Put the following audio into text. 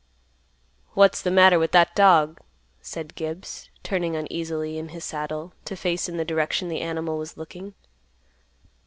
"What's th' matter with that dog?" said Gibbs, turning uneasily in his saddle, to face in the direction the animal was looking.